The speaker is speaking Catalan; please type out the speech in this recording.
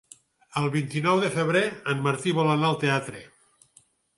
El vint-i-nou de febrer en Martí vol anar al teatre.